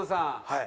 はい。